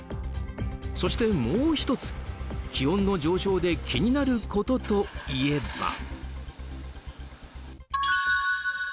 そして、もう１つ気温の上昇で気になることといえば。